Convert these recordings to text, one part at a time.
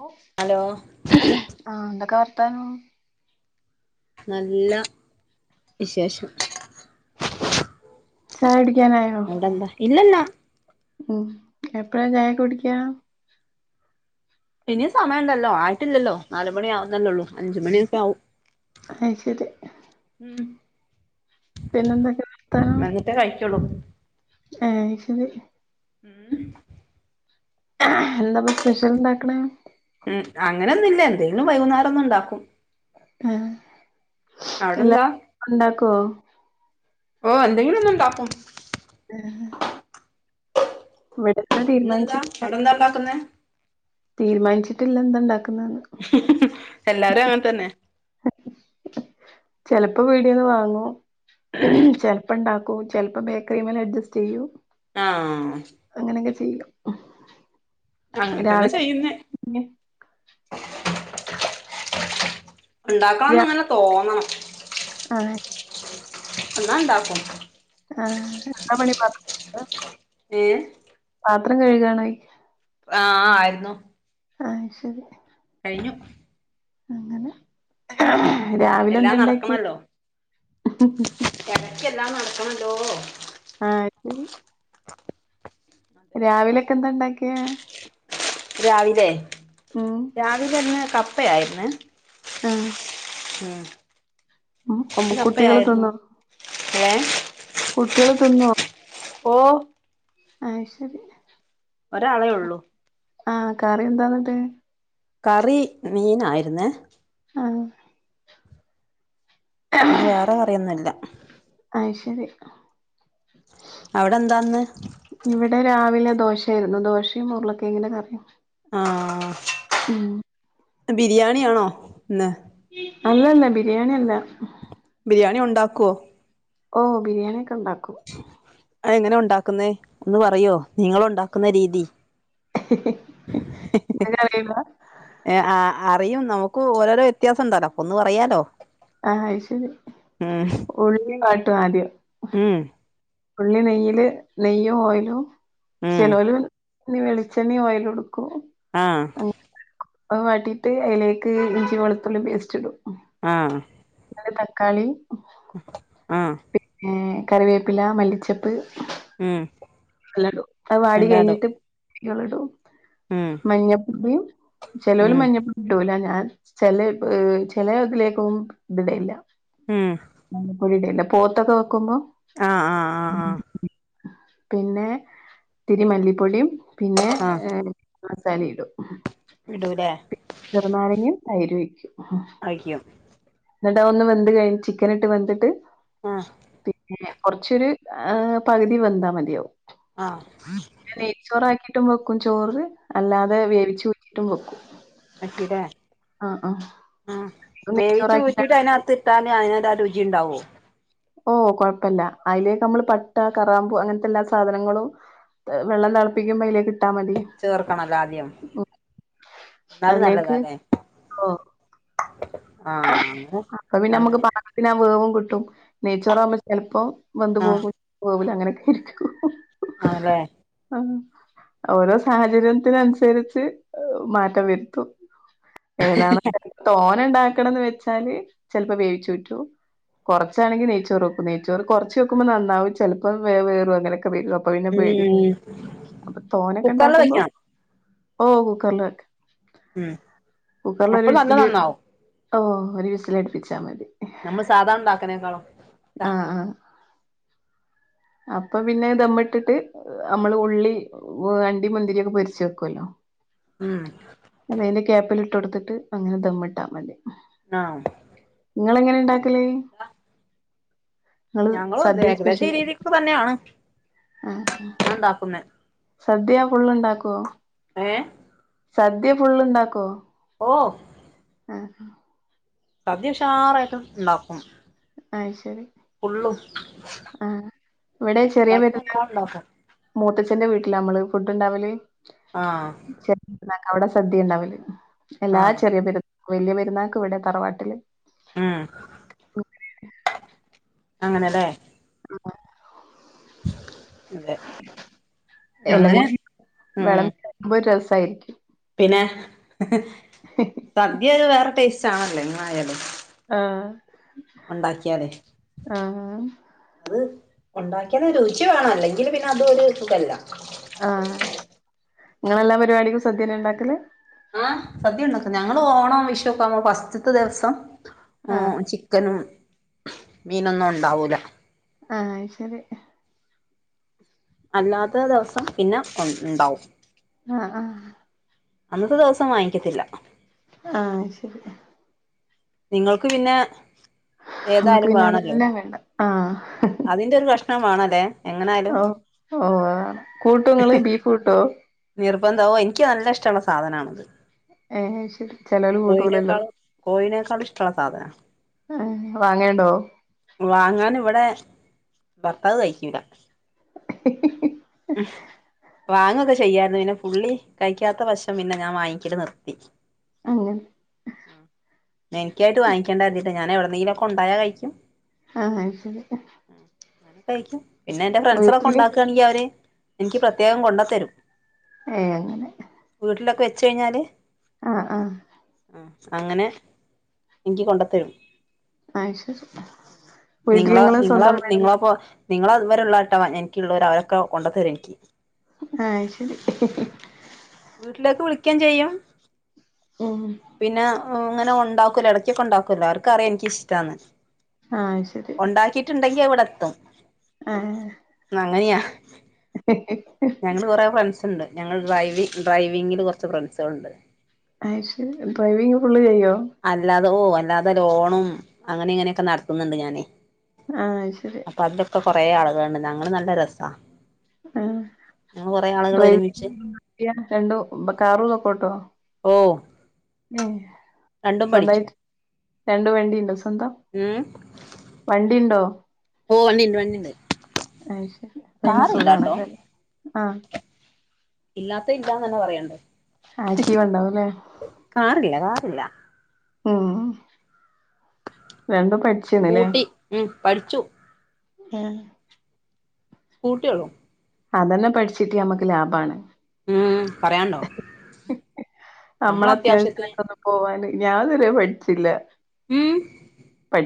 ഓഹ് hello ആഹ് എന്തൊക്കെ വർത്താനം നല്ല വിശേഷം ചായുടിക്കാനായോ അവിടെന്താ ഇല്ലല്ല ഉം എപ്പഴാ ചായ ക്കേകുടിക്കാ ഇനിയു സമയുണ്ടല്ലോ ആയിട്ടില്ലല്ലോ നാല്മണിയാവുന്നല്ലേള്ളൂ അഞ്ചുമണിയൊക്കെ ആവും അയ്ശെരി ഉം പിന്നെന്തൊക്കെ വർത്താനോ വന്നിട്ടേ കഴിക്കുള്ളൂ ഏഹ് അയ്ശെരി ഉം എന്താപ്പൊ സ്പെഷ്യൽണ്ടാക്ക്ണ് ഉം അങ്ങനെന്നുല്ല എന്തേലും വൈകുന്നേരൊന്ന്ണ്ടാക്കും ഉം. അവിടെന്താ ഉണ്ടാക്കോ ഓ എന്തെങ്കിലും ഒന്നുണ്ടാക്കും ഉം ഹും ഇവിടുന്ന് തീരുമാനിച്ച അവിടെന്താണ്ടാക്കുന്നേ തീരുമാനിച്ചിട്ടില്ല എന്തണ്ടാക്കുന്നേന്ന് എല്ലാരും അങ്ങൻതന്നെ ചെലപ്പോ പീടീന്ന് വാങ്ങു ചെൽപ്പണ്ടാക്കു ചെൽപ്പോ ബേക്കറിമ്മലഡ്ജസ്റ്റ്യ്യൂ ആഹ് അങ്ങനങ്കെ ചെയ്യും അങ്ങൻതന്നെ രാവിലെ ചെയ്യുന്നേ പിന്നെ രാ ണ്ടാക്കണംന്ന്ങ്ങനെ തോന്നണം ആഹ് എന്നാണ്ടാക്കും ആഹ് എന്താ പണി പ ഏഹ് പാത്രം കഴുകാണോചോയ്ക്കാ ആഹ് ആയിര്ന്നു അയ്ശരി കഴിഞ്ഞു അങ്ങനെ എല്ലാം രാവിലെന്താണ്ടാക്കി [unintelligible] നടക്കണണ്ടോ ആഹ് രാവിലൊക്കെ ന്താ ഇണ്ടാക്കിയെ രാവിലെ ഉം രാവിലേന്ന് കപ്പയായിര്ന്ന് ആഹ് ഉം ഉം [unintelligible] കുട്ടികൾ തിന്നോ ഏ കുട്ട്യാള് തിന്നോ ഓഹ് അയ്ശരി ഒരാളേ ഒള്ളൂ ആഹ് കറിന്താന്നട്ട് കറി മീനായിരുന്നേ ആഹ് ഇന്ന് വേറെ കറിയൊന്നുല്ല അയ്ശരി അവിടെന്താന്ന് ഇവിടെ രാവിലെ ദോശയിരുന്നു ദോഷിം ഉരുളക്കിഴങ്ങിന്റെ കറിയും ആഹ് ഉം ബിരിയാണിയാണോ ഇന്ന് അല്ലല്ല ബിരിയാണി അല്ല ബിരിയാണി ഉണ്ടാക്കോ ഓഹ് ബിരിയാണിയൊക്കെണ്ടാക്കും അതെങ്ങനെ ഉണ്ടാക്കുന്നേ ഒന്ന് പറയോ നിങ്ങളുണ്ടാക്കുന്ന രീതി നിങ്ങക്കറിയില്ല [unintelligible] ഏ ആ അറിയും നമുക്ക് ഓരോരോ വ്യത്യാസണ്ടല്ലോ ഒന്നു പറയാലോ ആഹ് അയ്ശരി ഉം ഉള്ളിവഴറ്റും ആദ്യം ഉം ഉള്ളി നെയ്യില് നെയ്യും ഓയിലും ഉം ചെലോല് നീ വെളിച്ചെണ്ണീ ഓയിലുടുക്കൂ ആഹ് വാട്ടീട്ട് അയിലേക്ക് ഇഞ്ചി വെളുത്തുള്ളി പേസ്റ്റ് ഇടും ഉംഹ് ആഹ് ന്നൊരു തക്കാളി ആഹ് ഏഹ് കറിവേപ്പില മല്ലിച്ചപ്പ് ഉം എല്ലാടും അത് വാടി എല്ലാടോ കഴിഞ്ഞിട്ട് [unintelligible] ഉം മഞ്ഞപൊടിം ചേലോല് ഉം മഞ്ഞ ഇടുല ഞാൻ ചില ഈഹ് ചിലതിലേക്കും ഇതിടല്ല ഉം പ്പൊടിയിടല്ല പോത്തൊക്കെ വെക്കുമ്പോ ആഹ് ആ [inaudible] പിന്നെ തിരിമല്ലിപ്പൊടിം പിന്നെ ആഹ് മസാലിടും ഉംഹ് ഇടൂലേ ചെറുനാരങ്ങിം തൈരുഴിക്കും ഉംഹ് കഴിക്കോ എന്നട്ട് ഒന്ന് വന്ത് കഴിഞി ചിക്കനിട്ട് വന്തിട്ട് ഉംഹ് പിന്നെ കൊറച്ചൊരു ഏഹ് പകുതി വന്താ മതിയാവും ആഹ് നെയ്ച്ചോറാക്കിട്ടും വെക്കും ചോറ് അല്ലാതെ വേവിച്ചൂറ്റിട്ടും വെക്കും അക്കീട്ടേ ആഹ് ആഹ് ആ ഇത് നെയ്ച്ചോറാക്കിയിട്ടാണ് വേവിച്ചൂറ്റീട്ട് വെക്കല് അതിനത്ത് താന ങ്ങനട്ടാ രുചി ഉണ്ടാവോ ഓ കൊഴപ്പില്ല അതിലേക്ക് നമ്മള് പട്ട കറാമ്പൂങ്ങനത്തെ എല്ലാ സാധനങ്ങളും ത് വെള്ളം തളപ്പിക്കുമ്പോയിലേകിട്ടാൽ മതി ചേർക്കണല്ലോ ആദ്യം ഉം ന്നാലും അതിലേക്ക് നല്ലതാലെ ആഹ് അങ്ങനെ അപ്പ പിന്നെ മ്മക്ക് അങ്ങനെ പാകത്തിനാ വേവും കിട്ടും നെയച്ചോറാവുമ്പോ ചെല്പ്പൊ വന്ത് ആഹ് പോകും പോവില്ല അങ്ങനെയൊക്കിരിക്കും ആണല്ലേ ഹം ഓരോ സാഹചര്യത്തിനനുസരിച്ച് ഏഹ് മാറ്റം വരുത്തും ഏതാണ് തോനണ്ടാക്കണത് വെച്ചാല് ചെലപ്പോ വേവിച്ചു ഊറ്റു കൊറച്ചാണങ്കിൽ നൈച്ചോറ് വെക്കും നൈച്ചോറ് കൊറച്ച് വെക്കുമ്പോ നന്നാവും ചെൽപ്പം വേവേറും അങ്ങനെക്കെ വരും അപ്പൊ പിന്നെ ഉം പേടി ഉം അപ്പൊ തോനൊക്കെ കുക്കറില് ഇണ്ടാക്കുമ്പോ വെക്കണം ഓ കുക്കർല് ക് ഉം അപ്പ കുക്കറിലൊരു നല്ല വിസില് നന്നാവും ഓഹ് ഒരു വിസലടുപ്പിച്ചാ മതി മ്മാ സാധാ ഉണ്ടാക്കാനേക്കാളും ആഹ് ആഹ് അപ്പൊ പിന്നെ ദമ്മിട്ടിട്ട് നമ്മള് ഉള്ളി വണ്ടി മുന്തിരിയൊക്കെ പൊരിച്ചുക്കല്ലോ ഉംഹ് അത് അതിന്റെ ക്യാപ്പിൽ ഇട്ട്ടുത്തിട്ട് അങ്ങനെ ദമ്മിട്ടാ മതി ഉംഹ് ആഹ്മ് ഇങ്ങളങ്ങനെണ്ടാക്കല്? ഞങ്ങളുംതെ സദ്യ സ്പെഷ്യൽ ഏകദേശം ആയിട്ട് രീതിക്കെ തന്നെയാണ് ആഹ് ണ്ടാക്കുന്നേ സദ്യ ഫുള്ളുണ്ടാക്കോ ഏഹ് സദ്യ ഫുള്ള്ണ്ടാക്കോ ഓ ആഹ് സദ്യ ഉഷാറായിട്ട് ഇണ്ടാക്കും അയ്ശരി ഫുള്ളും ആഹ് ഇവിടെ ചെറിയ ഉണ്ടാക്കുമ്പോ പെരുന്നാ എല്ലാം ഇണ്ടാക്കും മൂത്തച്ഛന്റെ വീട്ടിലാമ്പള് ഫുഡ്ണ്ടാവല് ആഹ് ചെറിയ പെരുന്നാക്ക് അവിടെ സദ്യ ഇണ്ടാവല് എല്ലാ ആഹ് ചെറിയ പെരുന്നാ വല്യ പെരുന്നാക്കിവിടെ തറവാട്ടില് ഉം [unintelligible] അങ്ങനെ അല്ലേ അതെ [unintelligible] എല്ലാം അങ്ങനെ കൂടി ഉം വെളമ്പി വെക്കുമ്പോ ര് രസാരിക്കും പിന്നെ [unintelligible] സദ്യ ഒരു വേറെ ടേസ്റ്റ് ആണല്ലോ എങ്ങ് ആയാലും ആഹ് ഒണ്ടാക്ക്യാലെ ആഹ് അത് ഒണ്ടാക്ക്യാല് രുചി വേണം അല്ലെങ്കിൽ പിന്നെ അതും ഒര് സുഖല്ലാ ആഹ് ഇങ്ങള് എല്ലാ പരിപാടിക്കും സദ്യ തന്നെ ഇണ്ടാക്കല് ആഹ് സദ്യ ഒണ്ടാക്ക്ന്നേ ഞങ്ങള് ഓണം വിഷു ഒക്കെ ആവുമ്പേ ഫസ്റ്റ്ത്തെ ദിവസം ആഹ് ചി ചിക്കനും മീനും ഒന്നും ഒണ്ടാവുല്ലാ ആഹ് അയ് ശെരി അല്ലാത്ത ദെവസം പിന്നെ ഒ ഇണ്ടാവും ആഹ് ആഹ് അന്നത്തെ ദിവസം വാങ്ങിക്കത്തില്ലാ ആഹ് അത്‌ ശെരി നിങ്ങൾക്ക് പിന്നെ നമ്മുക്ക് ഏതായാലും പിന്നെ അത് വേണല്ലോ എല്ലാം വേണ്ടാ ആഹ് അതിന്റെ ഒര് കഷ്ണം വേണം ലേ ഓ ഓ കൂട്ടോ ഇങ്ങള് ബീഫ് കൂട്ടോ നിർബന്ധാ ഓ എനിക്ക് നല്ല ഇഷ്ട്ടള്ള സാധനാണത് ഏഹ് ശരി ചെലോല് കൂട്ടൂലല്ലോ കോയിനേക്കാളും കോയിനേക്കാളും ഇഷ്ട്ടള്ള സാധനാ ആഹ് വാങ്ങല്ണ്ടോ വാങ്ങാൻ ഇവടെ ഭാർത്താവ് കഴിക്കൂല്ലാ [unintelligible] [unintelligible] വാങ്ങും ഒക്കെ ചെയ്യാര്ന്നു പിന്നെ പുള്ളി കയിക്കാത്ത വശം പിന്നെ ഞാൻ വാങ്ങിക്കല് നിർത്തി അങ്ങനെ പിന്നെ എനിക്കായിട്ട് വാങ്ങിക്ക്യാണ്ടാന്ന് കര്തിട്ടാ ഞാൻ എവടെ എന്തെങ്കിലും ഒക്കെ ഒണ്ടായ കഴിക്കും ആഹ് ആഹ് ശെരി അങ്ങനെയൊക്കെ കയിക്കും പിന്നെ എന്റെ ഫ്രണ്ട്സൊളോക്കെ വീട്ടില് ഒണ്ടാക്ക്യാണെങ്കില് അവര് എനിക്ക് പ്രത്യേകം കൊണ്ട് തെരും ഏഹ് അങ്ങനെ വീട്ടിലൊക്കെ വെച്ച് കയിഞ്ഞാല് ആഹ് ആഹ് അങ്ങനെ ഇനിക്ക് കൊണ്ട് തെരും ആഹ് ശരി നിങ്ങളേ വീട്ടിലിങ്ങള് നിങ്ങളാ സ്വന്തം നിങ്ങളപ്പൊ നിങ്ങള് ഇവര് ഉള്ളാട്ടോ എനിക്ക് ഉള്ളോര് അവരൊക്കെ കൊണ്ട്തെരും എനിക്ക് ആഹ് ശരി വീട്ടിലേക്ക് വിളിക്ക്യയും ചെയ്യും ഉമ് പിന്നെ അങ്ങനെ ഒണ്ടാക്കുല്ലോ എടക്കൊക്കെ ഒണ്ടാക്കൂല്ലോ അവർക്ക് അറിയാം എനിക്ക് ഇഷ്ട ന്ന് ആഹ് ശരി ഒണ്ടാക്കിട്ട് ഇണ്ടങ്കി ഇവടെ എത്തും ആഹ് അങ്ങനേയാ ഞങ്ങള് കൊറേ ഫ്രണ്ട്സ് ഇണ്ട് ഞങ്ങള് ഡ്രൈവി ഡ്രൈവിങ്ങില് കൊറച്ച് ഫ്രണ്ട്സ്കള് ഇണ്ട് അയ് ശേരി ഡ്രൈവിംഗ് ഫുള്ള് കയിഞ്ഞേ അല്ലാതെ ഓഹ് അല്ലാതെ ലോണും അങ്ങനെ ഇങ്ങനെയൊക്കെ നടത്ത്ന്ന് ഇണ്ട് ഞാനേ ആഹ് ശേരി അപ്പതിലൊക്കെ കൊറെ ആളുകളൾണ്ട്. ഞങ്ങള് നല്ല രസാ. ആഹ്. ഞാൻ കൊറേ ആൾ ഡ്രൈവി രണ്ടും കാറുംതൊക്കോട്ടോ? ഓഹ് ഏഹ് സ്വന്തായിറ്റ് രണ്ട് വണ്ടീണ്ടോ സ്വന്തം? ഉമ് വണ്ടിണ്ടോ? ഓഹ് വണ്ടിണ്ട് വണ്ടിണ്ട്. അയ് ശരി. പിന്നെ കാറില്ലാട്ടോ. സുഖാണല്ലോ അല്ലേ ആഹ്. ഇല്ലാത്ത ഇല്ലാന്നന്നെ പറയണ്ടേ? ആക്റ്റീവണ്ടാവും ലെ? കാറില്ല കാറില്ല. ഉമ് രണ്ട സ്കൂട്ടി ഉമ് പഠിച്ചു. ഏഹ് സ്കൂട്ടിയൊള്ളൂ. അതെന്നെ പഠിച്ചിട്ട്യാ നമക്ക് ലാഭാണ്. ഉമ് പറിയാണ്ടോ നമ്മളെ അത്യാവശ്യത്തിന് അത്യാവശ്യത്തിനൊക്കൊന്ന് പോവാന് ഞാൻ ത് വരെ പഠിച്ചില്ല. ഉം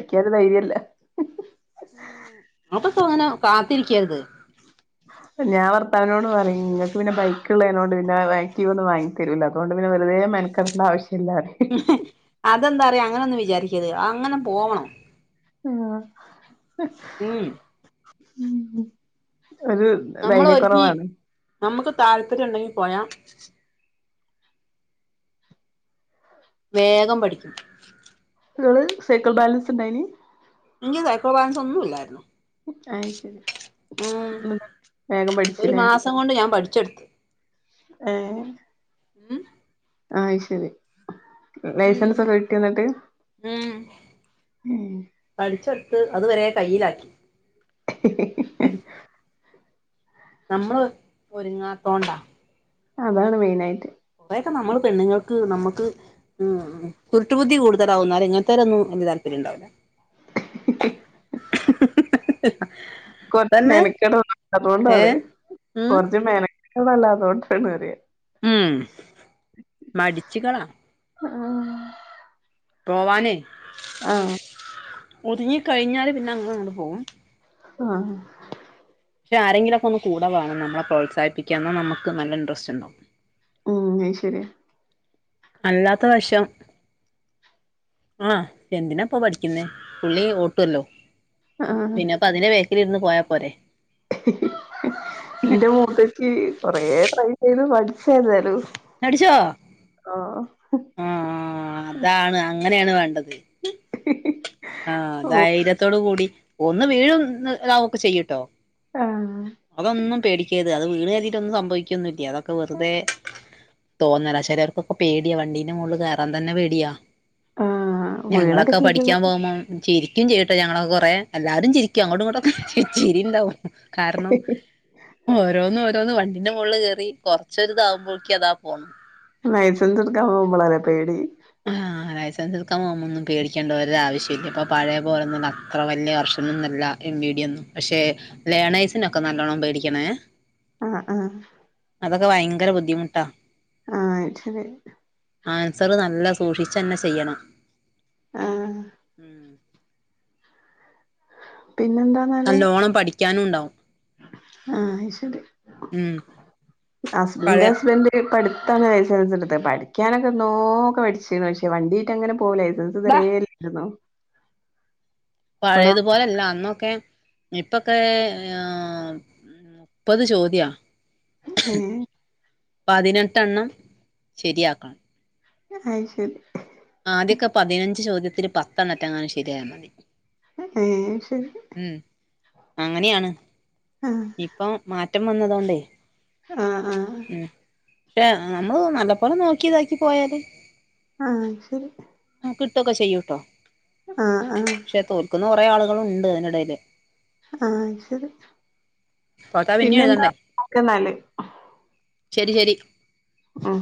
ക്ക്യ അയ്ന് ധൈര്യല്ല. ഉമ് [unintelligible] കാത്തിരിക്കായിരുത്. ഹാ. ഞാൻ വർത്താവിനോട് പറയും. ങ്ങക്ക് പിന്നെ ബൈക്ക്ള്ളേനോണ്ട് പിന്നെ ആക്ടീവൊന്നും വാങ്ങി തരൂല. അതോണ്ട് പിന്നെ വെർതെ മെന കെടേണണ്ട ആവശ്യല്ലാ പറിയും അതെന്താറിയോ അങ്ങനൊന്നും വിചാരിക്കരുത് അങ്ങനെ പോവണം. ആഹ്. ഉമ് ഉമ് ഉമ് ഒര് നമ്മൾ ഒരുങ്ങി നമ്മക്ക് താല്പര്യണ്ടെങ്കി പോയാ വേഗം പഠിക്കും. ങ്ങള് സൈക്കൾ ബാലൻസ്ണ്ടായ്ന്? ൻക്ക് സൈക്കൾ ബാലൻസൊന്നുല്ലായിരുന്നു. അയ് ശരി വേഗം പഠിച്ച് ഒരു ലെ? മാസം കൊണ്ട് ഞാൻ പഠിച്ചെടുത്ത് ഏഹ് ഉം. ആഹ് ശരി. ഉം ലൈസൻസൊക്കെ കിട്ട്യോന്നട്ട്? ഉം പഠിച്ചെട്ത്ത് അതുവരെ കയ്യിലാക്കി. നമ്മള് ഒരുങ്ങാത്തോണ്ടാ. അതാണ് മെയിനായിറ്റ്. കുറേൊക്കെ നമ്മള് പെണ്ണുങ്ങൾക്ക് നമ്മക്ക്. ഉം കുരുട്ടുബുദ്ധി കൂടുതലാവും, ന്നാലും ഇങ്ങൻത്തേലൊന്നും വല്യ താൽപര്യണ്ടാവൂല. കൊറച്ച് തന്നെ മെനക്കട ഏ അതോണ്ടാണ്. ഉം കൊർച്ച് മെന അണല്ല അതുകൊണ്ടണ് വറിയ ഉം മടിച്ചികളാ ആഹ് പോവാന ആഹ് ഒതുങ്ങി കഴിഞ്ഞാല് പിന്നെ അങ്ങ അങ്ങു പോകും ആഹ് പക്ഷേ ആരെങ്കിലൊക്കെ ഒന്ന് കൂടെ വേണം നമ്മള പ്രോത്സാഹിപ്പിക്കന്ന നമുക്ക് നല്ല ഇൻടറസ്റ്റ് ഉണ്ടാവും ഉം അ ശരിയ അല്ലാത്ത വശം ആഹ് എന്തിനാപ്പോ പഠിക്കുന്നേ പുള്ളി ഓട്ടുമല്ലോ ആഹ് പിന്നെപ്പ അതിന്റെ വേക്കിലിരുന്ന് പോയാ പോരെ എന്റെ മൂത്തച്ചി കൊറ ട്രൈ ചെയ്ത് പഠിച്ചായിന്നാലും അടിച്ചോ ആഹ് ആഹ് അതാണ് അങ്ങനെയാണ് വേണ്ടത് ഇ ഇ ആഹ് ധൈര്യത്തോട് കൂടി ഒന്ന് വീഴുംതാവക്ക്ചെയ്യൂട്ടോ ആഹ് അതൊന്നും പേടിക്കരുത്. അത് വീണെര്തീട്ട് ഒന്നും സംഭവിക്കൊന്നുംല്ല. അതൊക്കെ വെറുതെ തോന്നല ചിലർക്കൊക്കെ പേടിയാ വണ്ടീന്റെ മുകളിൽ കയറൻ തന്നെ പേടിയാ ആഹ് വീണൊക്കെ ഞങ്ങളൊക്കെ ചെയ്തത് പഠിക്കാൻ പോകുമ്പോം ചിരിക്കും ച്യട്ടോ ഞങ്ങളൊക്കെ കൊറെേ എല്ലാരും ചിരിക്കും അങ്ങോട്ടും ഇങ്ങോട്ടൊ ചിരി ഉണ്ടാവും കാരണം ഓരോന്നും ഒരോന്ന് വണ്ടിന്റെ മുകളള് കയറി കൊറച്ചൊരി ഇതാവകുമ്പോഴേക്ക് അതാ പോകണം ലൈസൻസ് എടുക്കാൻ പോവുമ്പളല്ല പേടി ആഹ് ലൈസൻസ് എടുക്കാപോവുമ്പോന്നും പേടിക്കേണ്ട ഒരാവശ്യല്ല ഇപ്പോ പഴയ പോലെന്നും അത്ര വലിയ കർഷനൊന്നുമല്ല എം വി ഡി ഒന്നും പക്ഷെ ലേണൈസിനൊക്കെ നല്ലോണ്ണം പേടിക്കണേ ആഹ് ആഹ് അതൊക്കെ ഭയങ്കര ബുദ്ധിമുട്ടാ ആഹ് ആ ശെരി ആൻസർ നല്ല സൂക്ഷിച്ചു തന്നെ ചെയ്യണം ആഹ് ഉം പിന്നെന്താ നല്ലോണം പഠിക്കാനും ഉണ്ടാവും ആഹ് അയ്ശെരി ഉം ഹസ്ബൻടിൻ്റ പഴയ ഫ്രണ്ട് പടുത്താണ് ലൈസൻസ് ഉടുത് പഠിക്കാനൊക്കെ നോക്കെ പഠിച്ചിരുന്നു പക്ഷേ വണ്ടീട്ട അങ്ങനെ പോക ലൈസൻസ് ഇതുവരെല്ലായിരുന്നു പഴയതുപോലല്ല അന്നൊക്കെ ഇപ്പൊക്കെ ഇപ്പത് ചോദ്യയ ഏ പതിനെട്ടെണ്ണം ശരിയാക്കണം അയ് ശരി ആദ്യക്കെ പതിനഞ്ച് ചോദ്യത്തില് പത്തെണ്ണിട്ട അങ്ങനെ ശരിയായൽ മതി ഏ ശരി ഉം അങ്ങനെയാണ് ആ ഇപ്പൊ മാറ്റം വന്നതോണ്ടേ ആഹ് ആഹ് ഉം പക്ഷെ നമ്മള് നല്ല പോലെ നോക്കി ഇതാക്കി പോയാല് ആഹ് ശരി ആഹ് കിട്ടോക്കെ ചെയ്യുട്ടോ ആഹ് ആഹ് പക്ഷെ തോൽക്കുന്ന കുറെ ആളുകളും ഉണ്ട് അതിനിടയിൽ ആഹ് ശെരി തോറ്റാ പിന്ന്യെഴുതണ്ടേ ഓക്കെന്നാല് ശെരി ശെരി ഉം